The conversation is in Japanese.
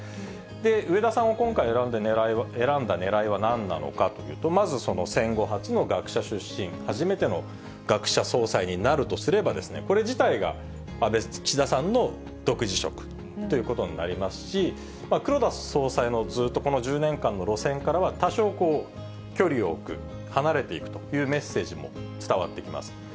植田さんを今回、選んだねらいはなんなのかというと、まず戦後初の学者出身、初めての学者総裁になるとすればですね、これ自体が岸田さんの独自色ということになりますし、黒田総裁の、ずっとこの１０年間の路線からは多少距離を置く、離れていくというメッセージも伝わってきます。